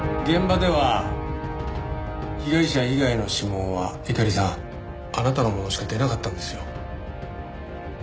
現場では被害者以外の指紋は猪狩さんあなたのものしか出なかったんですよ。